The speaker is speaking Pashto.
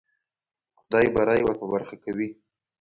خدای بری ور په برخه کوي.